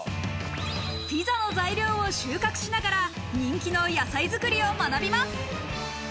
ピザの材料を収穫しながら、人気の野菜作りを学びます。